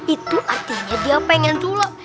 itu artinya dia pengen tulang